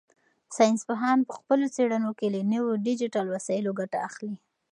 ساینس پوهان په خپلو څېړنو کې له نویو ډیجیټل وسایلو ګټه اخلي.